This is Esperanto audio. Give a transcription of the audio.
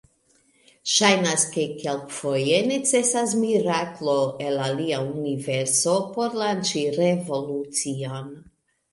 Ŝajnas, ke kelkfoje necesas miraklo el alia universo por lanĉi revolucion.